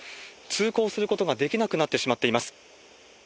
通行することができなくなってしまっています。